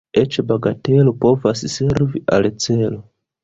Eĉ bagatelo povas servi al celo.